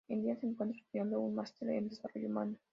En día se encuentra estudiando un máster en Desarrollo Humano.